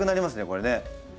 これね。